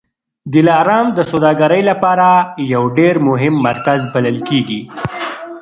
دلارام د سوداګرۍ لپاره یو ډېر مهم مرکز بلل کېږي.